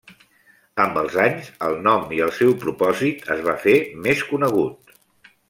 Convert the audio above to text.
Amb els anys el nom i el seu propòsit es va fer més conegut.